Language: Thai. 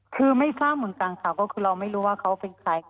คือไม่ทราบเหมือนกันค่ะก็คือเราไม่รู้ว่าเขาเป็นใคร